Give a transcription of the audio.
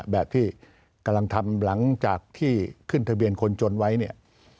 แบบที่กำลังทำหลังจากที่ขึ้นทะเบียนคนจนไว้เนี่ย